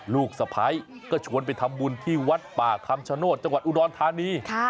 ลูกสะพ้ายก็ชวนไปทำบุญที่วัดป่าคำชโนธจังหวัดอุดรธานี